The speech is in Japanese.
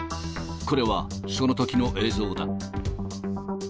これは、そのときの映像だ。